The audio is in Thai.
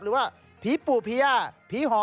หรือว่าผีปู่ผีย่าผีห่อ